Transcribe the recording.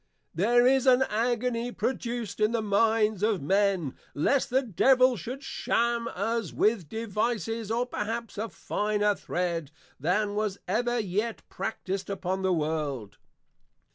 There is an Agony produced in the Minds of Men, lest the Devil should sham us with Devices, of perhaps a finer Thred, than was ever yet practised upon the World.